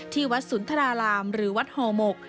ที่วัดศูนย์ธรราลามหรือวัดฮอมก